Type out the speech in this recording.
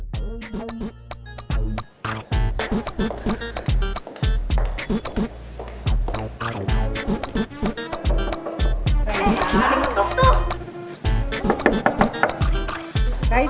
bentar bentar bentar